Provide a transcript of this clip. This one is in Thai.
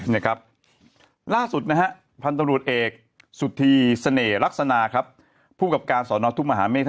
เนี่ยครับล่าสุดนะฮะพันธุรกิจเอกสุธีเสน่ห์ลักษณะครับผู้กับการสอนทุกมหาเมฆ